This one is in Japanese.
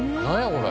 これ。